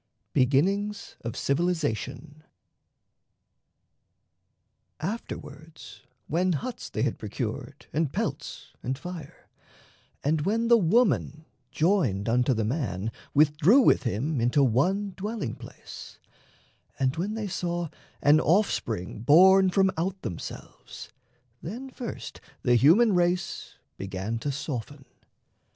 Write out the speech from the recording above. BEGINNINGS OF CIVILIZATION Afterwards, When huts they had procured and pelts and fire, And when the woman, joined unto the man, Withdrew with him into one dwelling place, Were known; and when they saw an offspring born From out themselves, then first the human race Began to soften.